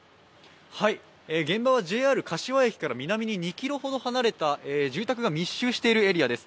現場はＪＲ柏駅から南に２ｋｍほど離れた住宅が密集しているエリアです。